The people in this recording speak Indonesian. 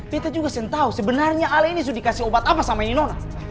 betta juga tahu sebenarnya ale ini sudah dikasih obat apa sama ini nona